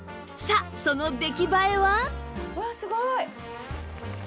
さあその出来栄えは？